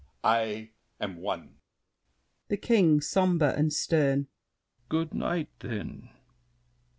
I am one. THE KING (somber and stern). Good night, then!